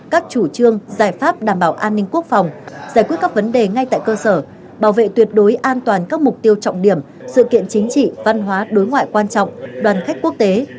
các chủ trương giải pháp đảm bảo an ninh quốc phòng giải quyết các vấn đề ngay tại cơ sở bảo vệ tuyệt đối an toàn các mục tiêu trọng điểm sự kiện chính trị văn hóa đối ngoại quan trọng đoàn khách quốc tế